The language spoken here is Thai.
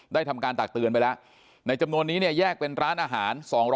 ทำการตักเตือนไปแล้วในจำนวนนี้เนี่ยแยกเป็นร้านอาหาร